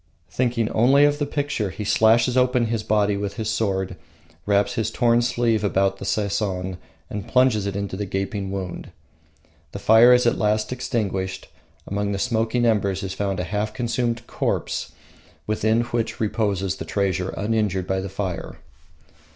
Thinking only of the picture, he slashes open his body with his sword, wraps his torn sleeve about the Sesson and plunges it into the gaping wound. The fire is at last extinguished. Among the smoking embers is found a half consumed corpse, within which reposes the treasure uninjured by the fire.